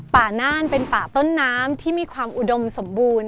น่านเป็นป่าต้นน้ำที่มีความอุดมสมบูรณ์